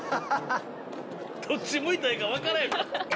どっち向いたらいいか、わからへん。